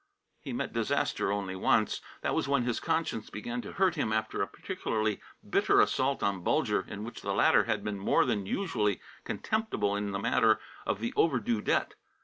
He met disaster only once. That was when his conscience began to hurt him after a particularly bitter assault on Bulger in which the latter had been more than usually contemptible in the matter of the overdue debt.